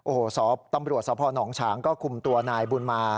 โอ้โหตำรวจสพนฉางก็คุมตัวนายบุญมา